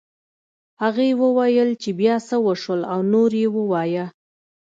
هغې وویل چې بيا څه وشول او نور یې ووایه